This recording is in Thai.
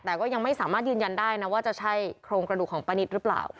แต่ก็ยังไม่สามารถยืนยันได้นะว่าจะใช่โครงกระดูกของป้านิตหรือเปล่า